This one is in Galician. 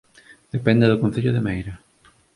Depende do Concello de Meira